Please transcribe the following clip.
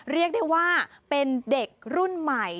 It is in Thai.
เรียกได้ว่าเป็นเด็กรุ่นใหม่